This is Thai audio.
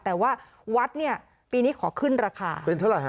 แต่ว่าวัดเนี่ยปีนี้ขอขึ้นราคาเป็นเท่าไหร่ฮะ